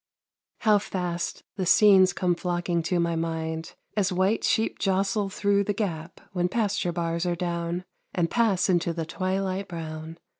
How fast the scenes come flocking to My mind, as white sheep jostle through The gap, when pasture bars are down, And pass into the twilight brown.